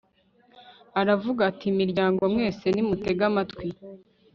aravuga. ati miryango mwese, nimutege amatwi